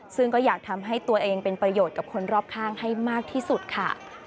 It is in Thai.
ซึ่งก็อยากทำให้ตัวเองเป็นประโยชน์กับคนรอบข้างให้มากที่สุดค่ะ